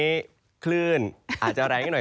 ก็ไม่ถาขึ้นอาจจะแรงให้หน่อย